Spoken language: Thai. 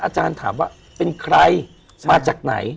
อาจารย์ถามว่าเป็นใครมาจากไหน